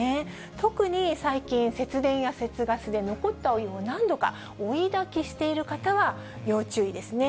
特に最近、節電や節ガスで残ったお湯を何度か追いだきしている方は要注意ですね。